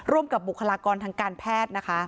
ร่วมกับบุคลากรทั้งการแพทย์